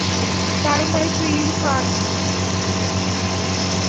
দারুণ করেছো, ইরফান।